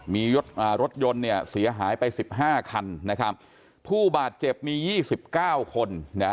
มีรถยนต์เนี่ยเสียหายไปสิบห้าคันนะครับผู้บาดเจ็บมี๒๙คน